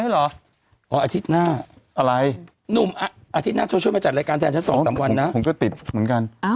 เอาอทิศหน้าอะไรหนูอาทิตย์หน้าจะช่วยมาจัดรายการแถม๒๓วันจะติดเหมือนกัน